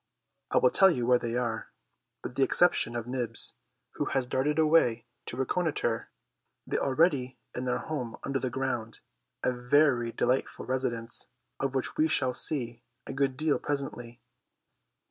I will tell you where they are. With the exception of Nibs, who has darted away to reconnoitre, they are already in their home under the ground, a very delightful residence of which we shall see a good deal presently.